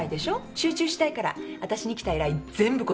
集中したいからわたしに来た依頼全部断ってね。